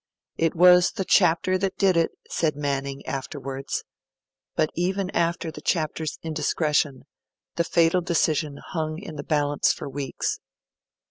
'It was the Chapter that did it,' said Manning, afterwards; but even after the Chapter's indiscretion, the fatal decision hung in the balance for weeks.